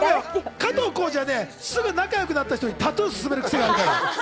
加藤浩次はすぐ仲良くなった人にタトゥーを勧めるクセがあるから。